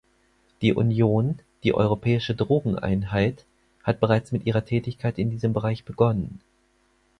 Die Union, die Europäische Drogeneinheit, hat bereits mit ihrer Tätigkeit in diesem Bereich begonnen.